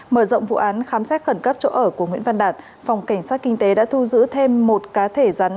mở rộng vụ án khám xét khẩn cấp chỗ ở của nguyễn văn đạt phòng cảnh sát kinh tế đã thu giữ thêm một cá thể rắn